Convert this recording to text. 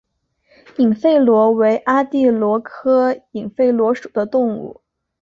隐肺螺为阿地螺科隐肺螺属的动物。